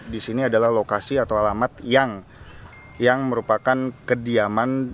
di sini adalah lokasi atau alamat yang merupakan kediaman